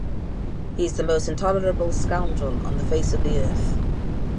He is the most intolerable scoundrel on the face of the earth.